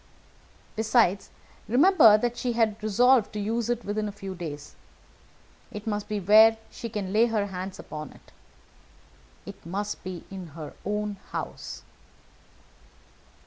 Besides, remember that she had resolved to use it within a few days. It must be where she can lay her hands upon it. It must be in her own house."